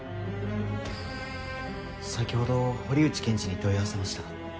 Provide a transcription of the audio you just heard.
先ほど堀内検事に問い合わせました。